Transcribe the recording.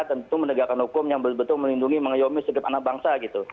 tentu menegakkan hukum yang betul betul melindungi mengayomi segenap anak bangsa gitu